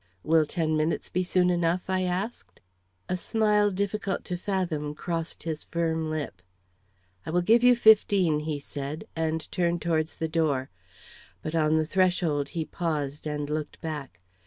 "Will ten minutes be soon enough?" I asked. A smile difficult to fathom crossed his firm lip. "I will give you fifteen," he said, and turned towards the door. But on the threshold he paused and looked back.